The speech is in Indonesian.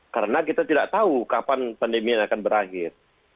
karena kita tidak tahu kapan pandemi akan berakhir